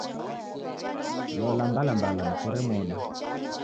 Lola mbalambala dikore modo